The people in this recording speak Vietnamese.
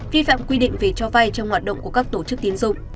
vi phạm quy định về cho vay trong hoạt động của các tổ chức tiến dụng